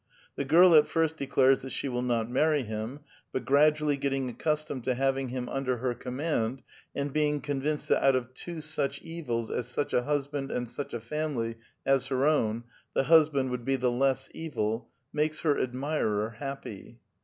The girl at first declares that slie will not marry him ; but gradually getting accustomed to having him under her command, and being convinced that out of two such evils as such a husband and such a familv as her own, the husband would be the less evil, makes her admirer happy.